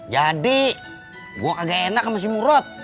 jadi gua agak enak sama si murot